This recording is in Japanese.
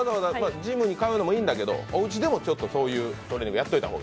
ジムに通うのもいいんだけど、おうちでもそういうトレーニングやっておいた方が。